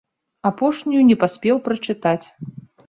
Апошнюю не паспеў прачытаць.